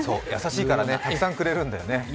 優しいからたくさんくれるんだよね。